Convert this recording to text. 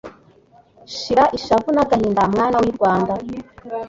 Shira ishavu n'agahinda mwana w’I rwanda